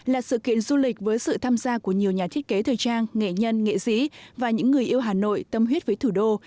là sự kiện du lịch với sự tham gia của nhiều nhà thiết kế thời trang nghệ nhân nghệ sĩ và những người yêu hà nội tâm huyết với thủ đô